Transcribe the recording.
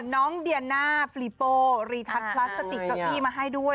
น้องเดียน่าฟรีโปรีทัศน์พลาสติกเก้าอี้มาให้ด้วย